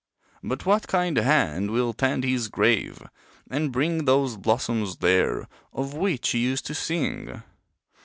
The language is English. But what kind hand will tend his grave, and bring Those blossoms there, of which he used to sing?